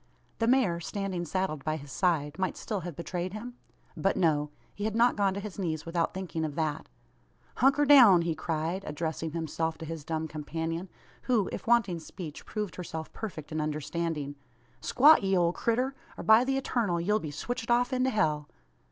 The mare, standing saddled by his side, might still have betrayed him? But, no. He had not gone to his knees, without thinking of that. "Hunker down!" he cried, addressing himself to his dumb companion, who, if wanting speech, proved herself perfect in understanding. "Squat, ye ole critter; or by the Eturnal ye'll be switched off into hell!"